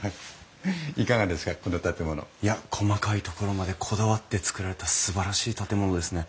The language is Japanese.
いや細かいところまでこだわって造られたすばらしい建物ですね。